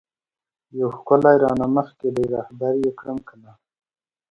یو ښکلی رانه مخکی دی رهبر یی کړم کنه؟